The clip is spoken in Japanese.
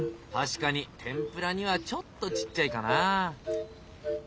確かに天ぷらにはちょっとちっちゃいかなぁ。